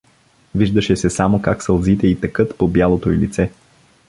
Виждаше се само как сълзите й текат по бялото й лице.